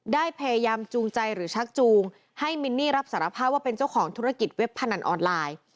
ได้พยายามจูงใจหรือชักจูงให้มินนี่รับสารภาพว่าเป็นเจ้าของธุรกิจเว็บพนันออนไลน์